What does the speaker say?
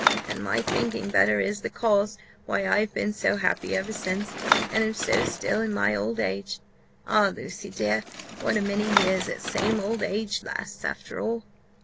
and my thinking better is the cause why I have been so happy ever since, and am so still in my old age. Ah, Lucy! dear, what a many years that same old age lasts, after all!